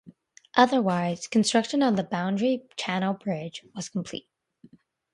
Otherwise, construction on the Boundary Channel Bridge was complete.